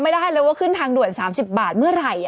ไม่ได้เลยว่าขึ้นทางด่วน๓๐บาทเมื่อไหร่